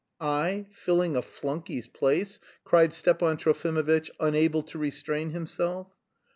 "I filling a flunkey's place?" cried Stepan Trofimovitch, unable to restrain himself.